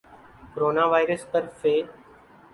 corona virus پر ف